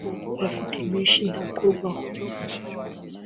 abafite menshi ntakorweho